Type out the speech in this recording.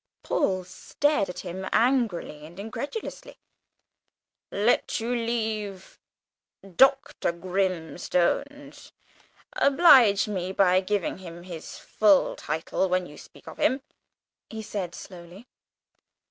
Paul stared at him, angry and incredulous, "Let you leave Dr. Grimstone's (oblige me by giving him his full title when you speak of him)," he said slowly.